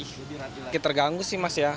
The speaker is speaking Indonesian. sedikit terganggu sih mas ya